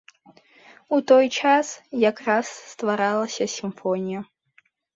У той час якраз стваралася сімфонія.